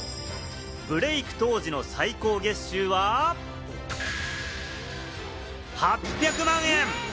ブレイク当時の最高月収は８００万円！